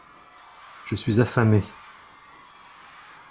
Je suis affamé.